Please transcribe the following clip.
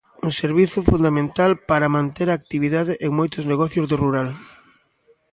Un servizo fundamental para manter a actividade en moitos negocios do rural.